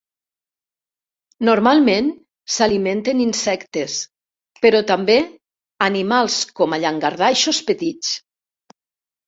Normalment s'alimenten insectes, però també animals com a llangardaixos petits.